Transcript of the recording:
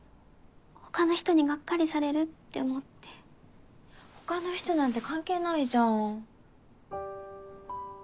他の人にガッカリされるって思って他の人なんて関係ないじゃん